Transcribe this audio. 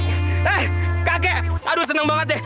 eh kakek aduh seneng banget deh